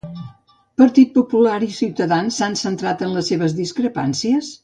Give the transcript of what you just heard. Partit Popular i Ciutadans s'han centrat en les seves discrepàncies?